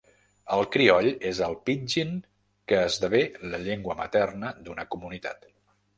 El crioll és el pidgin que esdevé la llengua materna d'una comunitat.